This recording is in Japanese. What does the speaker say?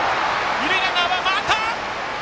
二塁ランナー回った！